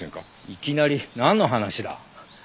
いきなりなんの話だ？